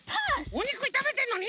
おにくいためてんのに？